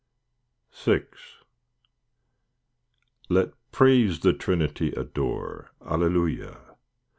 VI Let praise the Trinity adore, Alleluia!